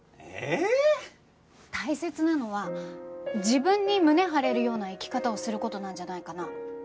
大切なのは自分に胸張れるような生き方をする事なんじゃないかな？